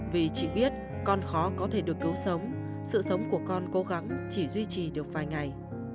vì chỉ biết con khó có thể được cứu sống sự sống của con cố gắng chỉ duy trì được vài ngày